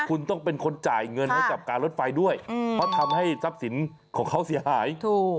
คุณต้องเป็นคนจ่ายเงินให้กับการรถไฟด้วยเพราะทำให้ทรัพย์สินของเขาเสียหายถูก